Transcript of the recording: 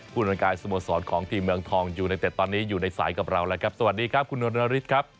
บริการสโมสรของทีมเมืองทองยูไนเต็ดตอนนี้อยู่ในสายกับเราแล้วครับสวัสดีครับคุณนนฤทธิ์ครับ